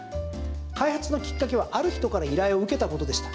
開発のきっかけは、ある人から依頼を受けたことでした。